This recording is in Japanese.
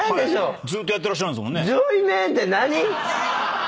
ずっとやってらっしゃるんですもんね。